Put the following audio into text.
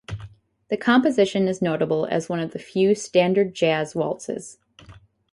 The composition is notable as one of the few standard jazz waltzes.